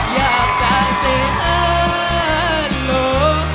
อยากจะเซย์ฮาโหล